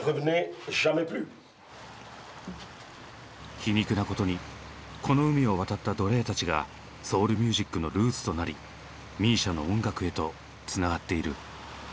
皮肉なことにこの海を渡った奴隷たちがソウルミュージックのルーツとなりＭＩＳＩＡの音楽へとつながっている。